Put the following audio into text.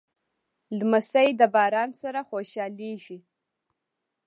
لمسی د باران سره خوشحالېږي.